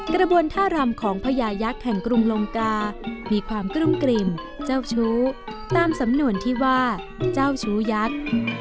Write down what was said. กระบวนท่ารำของพญายักษ์แห่งกรุงลงกามีความกลุ้มกลิ่มเจ้าชู้ตามสำนวนที่ว่าเจ้าชู้ยักษ์